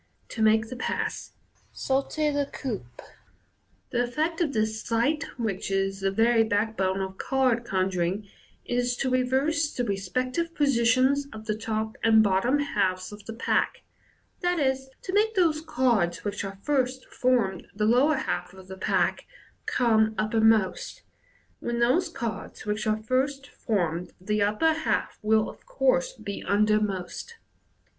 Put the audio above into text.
To Make the Pass. (Sauter la coupe). — The effect of this sleight, which is the very backbone of card conjuring, is to reverse the respective positions of the top and bot tom halves of the pack, i.e., to make those cards which at first formed the lower half of the pack, come uppermost, when those cards which at first formed the upper half will of course be undermost.